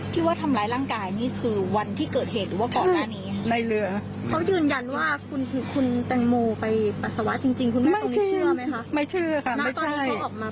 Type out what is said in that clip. ที่ว่าทำร้ายร่างกายนี่คือวันที่เกิดเหตุหรือว่าก่อนหน้านี้